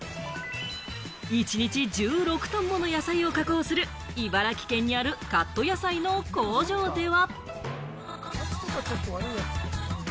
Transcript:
一日１６トンもの野菜を加工する茨城県にあるカット野菜の工場では。